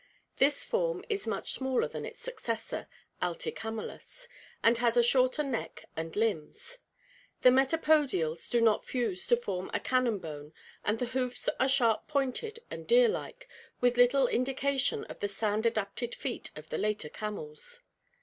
This form is much smaller than its successor, AUicamelus, and has a shorter neck and limbs. The metapodials do not fuse to form a cannon bone and the hoofs are sharp pointed and deer like, with little indication of the sand adapted feet of the later camels.